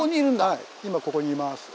はい今ここにいます。